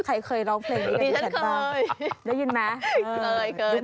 เธอเคยร้องเพลงอย่างนี้กับฉันบ้าง